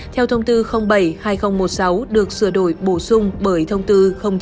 theo thông tư bảy hai nghìn một mươi sáu được sửa đổi bổ sung bởi thông tư chín hai nghìn hai mươi một